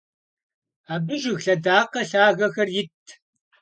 Абы жыг лъэдакъэ лъагэхэр итт.